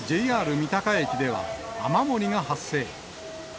三鷹駅では、雨漏りが発生。